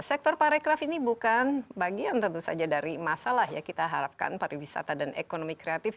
sektor pariwisata ini bukan bagian tentu saja dari masalah ya kita harapkan pariwisata dan ekonomi kreatif